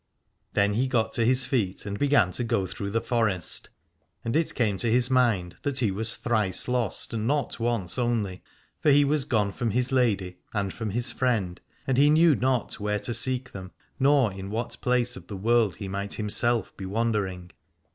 232 Alad ore Then he got to his feet and began to go through the forest, and it came to his mind that he was thrice lost, and not once only : for he was gone from his lady and from his friend, and he knew not where to seek them nor in what place of the world he might himself be wandering.